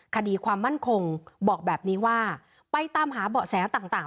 คดีความมั่นคงบอกแบบนี้ว่าไปตามหาเบาะแสต่าง